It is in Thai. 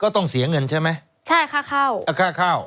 ตรงมา